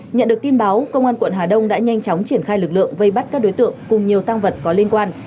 nhận được tin báo công an quận hà đông đã nhanh chóng triển khai lực lượng vây bắt các đối tượng cùng nhiều tăng vật có liên quan